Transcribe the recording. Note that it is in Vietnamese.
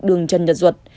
đường trần nhật ruột